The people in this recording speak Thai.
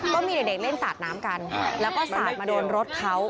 ก็มีเด็กเล่นสาดน้ำกันแล้วก็สาดมาโดนรถเขา